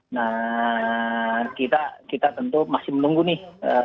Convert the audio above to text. nah kita tentu masih menunggu nih